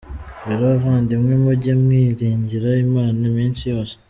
Rero bavandimwe, mujye mwiringira Imana iminsi yose!